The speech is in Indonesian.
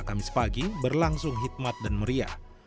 kamis pagi berlangsung hikmat dan meriah